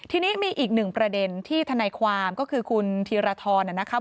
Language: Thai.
ทีนี้มีอีกหนึ่งประเด็นที่ทนายความก็คือคุณธีรทรนะครับ